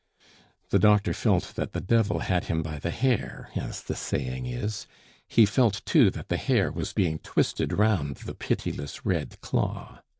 The doctor felt that the devil had him by the hair, as the saying is; he felt, too, that the hair was being twisted round the pitiless red claw.